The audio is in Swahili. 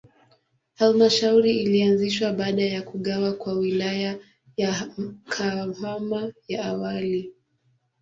Halmashauri ilianzishwa baada ya kugawa kwa Wilaya ya Kahama ya awali.